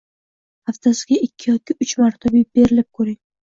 haftasiga ikki yoki uch marotaba berib ko‘ring.